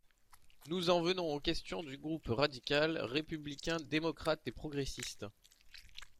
Nous en venons aux questions du groupe radical, républicain, démocrate et progressiste.